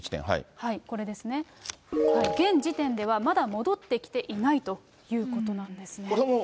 これですね、現時点ではまだ戻ってきていないということなんですね。